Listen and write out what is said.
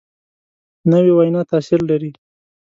نوې وینا تاثیر لري